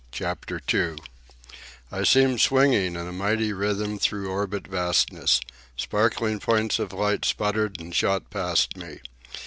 CHAPTER II I seemed swinging in a mighty rhythm through orbit vastness. Sparkling points of light spluttered and shot past me.